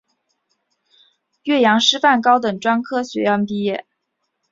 岳阳师范高等专科学校毕业。